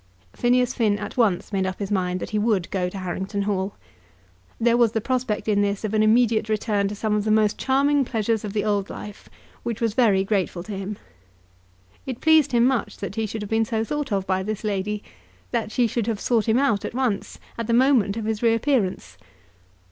Phineas Finn at once made up his mind that he would go to Harrington Hall. There was the prospect in this of an immediate return to some of the most charming pleasures of the old life, which was very grateful to him. It pleased him much that he should have been so thought of by this lady, that she should have sought him out at once, at the moment of his reappearance.